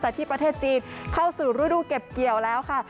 แต่ที่ประเทศจีนเข้าสู่ฤดูเก็บเกี่ยวแล้วค่ะ